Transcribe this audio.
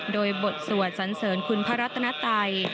โดยบทสวดสันเสริญคุณพระรัฐบาลเมีย